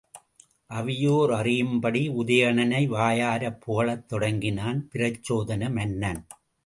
அவையோர் அறியும்படி உதயணனை வாயாரப் புகழத் தொடங்கினான் பிரச்சோதன மன்னன்.